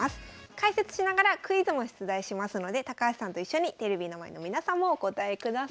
解説しながらクイズも出題しますので高橋さんと一緒にテレビの前の皆さんもお答えください。